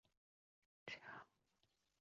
此强逼购物事件引起媒体广泛报道。